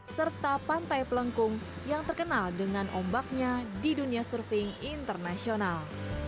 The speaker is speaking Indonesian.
serta pantai pelengkung yang terkenal dengan ombaknya di dunia surfing internasional